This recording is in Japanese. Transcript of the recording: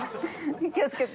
気をつけて。